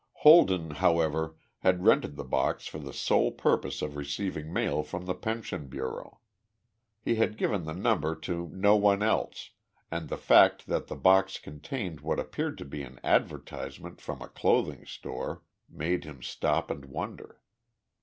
Holden, however, had rented the box for the sole purpose of receiving mail from the Pension Bureau. He had given the number to no one else and the fact that the box contained what appeared to be an advertisement from a clothing store made him stop and wonder.